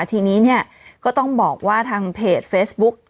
ทีนี้เนี่ยก็ต้องบอกว่าทางเพจเฟซบุ๊ก